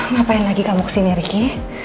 ngapain lagi kamu kesini riki